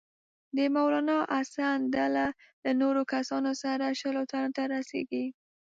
د مولنا حسن ډله له نورو کسانو سره شلو تنو ته رسیږي.